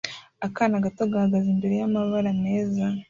akana gato gahagaze imbere y'amabara meza